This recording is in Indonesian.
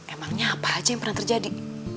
emangnya apa aja yang pernah terjadi